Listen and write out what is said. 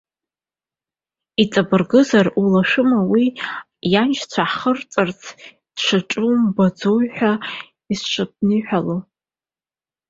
Иҵабыргызар, улашәума, уи ианшьцәа ҳахирҵәарц дахьаҿу умбаӡои ҳәа исаҽԥнырҳәало?